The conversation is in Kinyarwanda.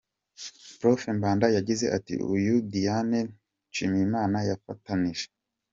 Prof Mbanda yagize ati "Uyu Diane Nshimyimana yafatanije.